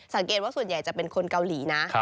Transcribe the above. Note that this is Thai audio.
สังเกตว่าส่วนใหญ่จะเป็นคนเกาหลีนะ